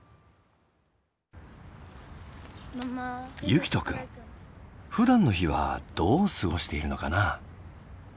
結季斗くんふだんの日はどう過ごしているのかな？